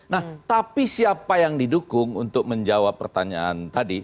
nah tapi siapa yang didukung untuk menjawab pertanyaan tadi